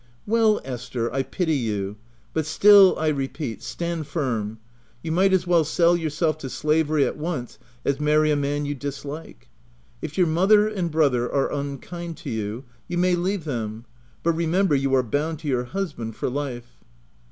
<c Well Esther, I pity you; but still, I repeat, stand firm. You might as well sell yourself to slavery at once, as marry a man you dislike. If your mother and brother are unkind to you, you may leave them, but remember you are bound to your husband for life."